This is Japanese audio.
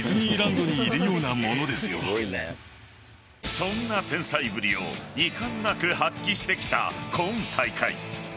そんな天才ぶりをいかんなく発揮してきた今大会。